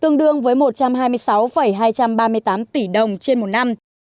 tương đương với một trăm hai mươi sáu hai trăm ba mươi tám tỷ đồng trên một năm